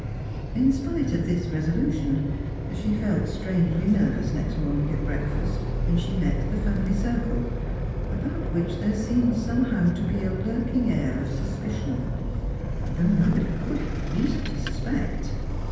In spite of this resolution she felt strangely nervous next morning at breakfast, when she met the family circle, about which there seemed somehew to be a lurking air of suspicion, thouuh nobody could have reason to suspect.